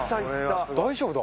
大丈夫だ。